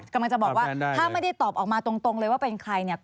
กำลังจะบอกว่าถ้าไม่ได้ตอบออกมาตรงเลยว่าเป็นใครเนี่ย